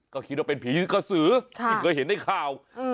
ก็คิดว่าเป็นผีกระสือค่ะที่เคยเห็นได้ข้าวอืม